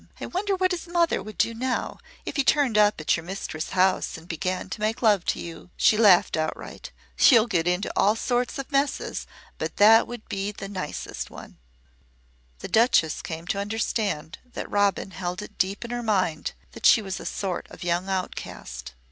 I wonder what his mother would do now if he turned up at your mistress' house and began to make love to you." She laughed outright. "You'll get into all sorts of messes but that would be the nicest one!" The Duchess came to understand that Robin held it deep in her mind that she was a sort of young outcast.